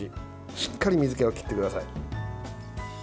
しっかり水けは切ってください。